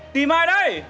tìm ai đây